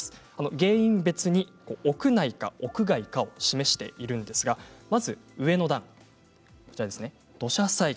原因別に屋内か屋外かを示しているんですがまず上の段、土砂災害。